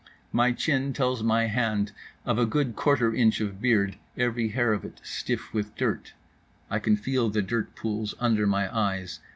My chin tells my hand of a good quarter inch of beard, every hair of it stiff with dirt. I can feel the dirt pools under my eyes.